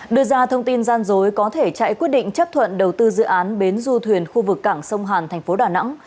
đưa ra thông tin gian dối có thể chạy quyết định chấp thuận đầu tư dự án bến du thuyền khu vực cảng sông hàn thành phố đà nẵng